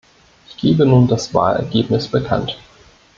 Ich gebe nun das Wahlergebnis bekannt.